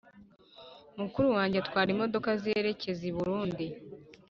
Mukuru wanjye atwara imododoka zerekeza iburundi